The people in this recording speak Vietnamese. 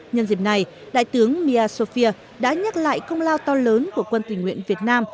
nhân dịp này đại tướng miasofia đã nhắc lại công lao to lớn của quân tình nguyện việt nam